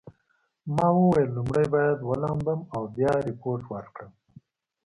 ما وویل لومړی باید ولامبم او بیا ریپورټ ورکړم.